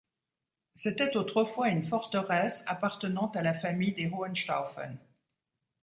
C'était autrefois une forteresse appartenant à la famille des Hohenstaufen.